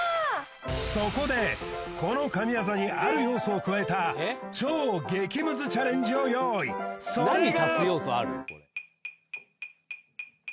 そこでこの神業にある要素を加えた超激ムズチャレンジを用意それが！